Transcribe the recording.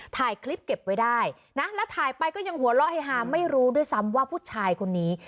ถ่ายคลิปเก็บไว้ได้นะแล้วถ่ายไปก็ยังหัวเราะเฮฮาไม่รู้ด้วยซ้ำว่าผู้ชายคนนี้